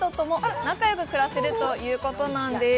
仲良く暮らせるということなんです。